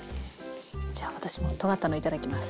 じゃあ私もとがったのいただきます。